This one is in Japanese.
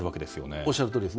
おっしゃるとおりです。